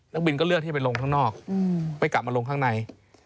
บินก็เลือกที่จะไปลงข้างนอกไม่กลับมาลงข้างใน